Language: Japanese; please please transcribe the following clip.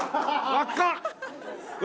輪っか！